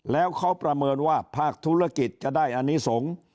แล้วเขาประเมินว่าภาคธุรกิจจะได้อนิสงฆ์